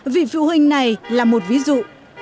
vì phụ huynh này là một ví dụ